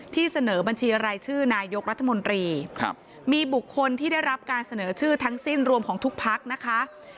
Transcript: เสนอบัญชีรายชื่อนายกรัฐมนตรีมีบุคคลที่ได้รับการเสนอชื่อทั้งสิ้นรวมของทุกพักนะคะ